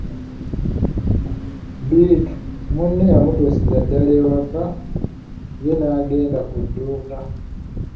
Bittu munne yamutusiza ddala ewaka , ye n'agenda ku dduuka.